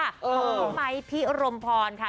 ของไมค์พี่อรมพรค่ะ